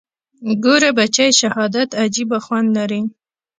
ګوره بچى شهادت عجيبه خوند لري.